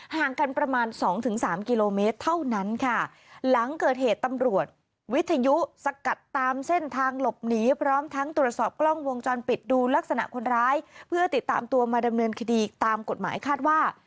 ห่างกันประมาณสองถึงสามกิโลเมตรเท่านั้นค่ะ